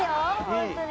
本当に。